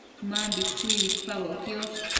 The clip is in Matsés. Mambi chui uidpaboc quiosh